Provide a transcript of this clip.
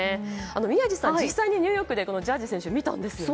宮司さん、実際にニューヨークでジャッジ選手を見たんですよね？